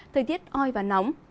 thời tiết oi và nóng